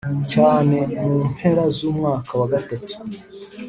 cyane Mu mpera z umwaka wa gatatu